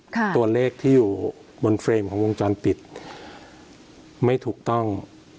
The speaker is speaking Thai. ตัวเลขที่อยู่บนเฟรมของวงจรปิดไม่ถูกต้อง